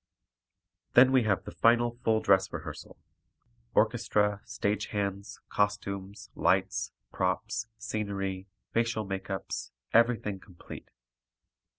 Then we have the final full dress rehearsal, orchestra, stage hands, costumes, lights, props, scenery, facial makeups, everything complete.